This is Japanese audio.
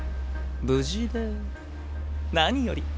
無事で何より。